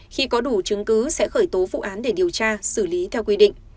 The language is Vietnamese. khi có đủ chứng cứ sẽ khởi tố vụ án để điều tra xử lý theo quy định